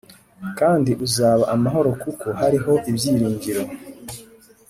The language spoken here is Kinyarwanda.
kandi uzaba amahoro kuko hariho ibyiringiro,